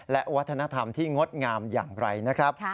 และวัฒนธรรมที่งดงามอย่างไรนะครับ